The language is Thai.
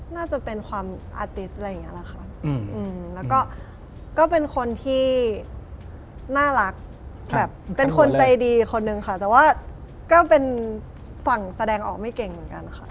น่ารักแบบเป็นคนใจดีคนนึงค่ะแต่ว่าก็เป็นฝั่งแสดงออกไม่เก่งเหมือนกันค่ะ